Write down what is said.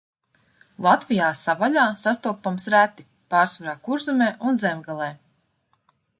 Latvijā savvaļā sastopams reti, pārsvarā Kurzemē un Zemgalē.